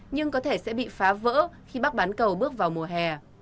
nhưng có thể sẽ bị phá vỡ khi bắc bán cầu bước vào mùa hè